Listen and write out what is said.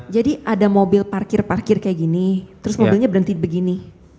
jadi ada mobil parkir parkir kayak gini terus mobilnya berhenti begini